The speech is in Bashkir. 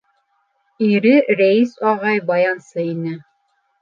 Ире Рәис ағай баянсы ине.